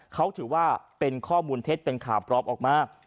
เขาถือว่าเป็นข้อมูลเท็จเป็นข่าวปลอมออกมา